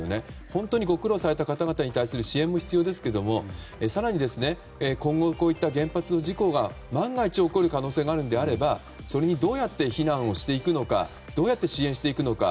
本当にご苦労された方々に対する支援も必要ですが更に、今後こういった原発の事故が万が一、起こる可能性があるのであればそれにどうやって避難していくのか支援していくのか